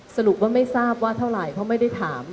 สรุปว่าไม่ทราบว่าเท่าไหร่เขาไม่ได้ถาม